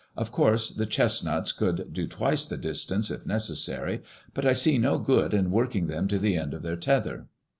Of course the chesnuts could do twice the distance if neces sary, but I see no good in working them to the end of their tether.